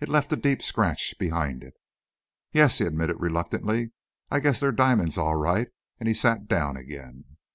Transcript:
It left a deep scratch behind it. "Yes," he admitted reluctantly, "I guess they're diamonds, all right," and he sat down again.